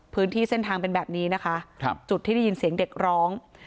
พื้นที่เส้นทางเป็นแบบนี้นะคะจุดที่ได้ยินเสียงเด็กร้อง